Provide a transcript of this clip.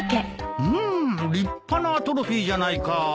うーん立派なトロフィーじゃないか。